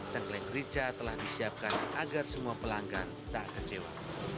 tengkleng rica telah disiapkan agar semua pelanggan tak kecewa